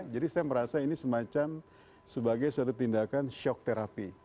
jadi saya merasa ini semacam sebagai suatu tindakan shock therapy